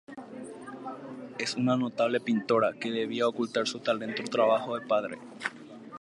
Es una notable pintora, que debía ocultar su talento trabajando para su padre.